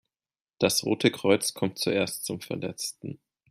Das Rote Kreuz kommt zuerst zum Verletzten.